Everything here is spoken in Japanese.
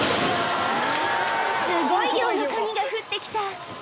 すごい量の紙が降ってきた。